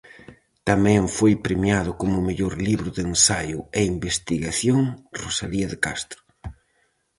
Tamén foi premiado como mellor libro de ensaio e investigación Rosalía de Castro.